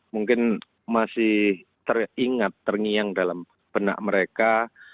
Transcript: mungkin masih teringat terngiang dalam benak mereka